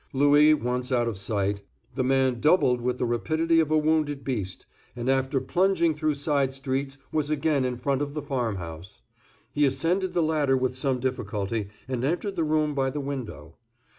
Louis once out of sight, the man doubled with the rapidity of a wounded beast, and after plunging through side streets was again in front of the farm house. He ascended the ladder with some difficulty, and entered the room by the window.